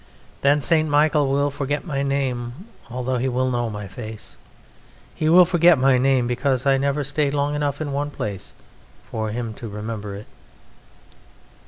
Then St. Michael will forget my name although he will know my face; he will forget my name because I never stayed long enough in one place for him to remember it.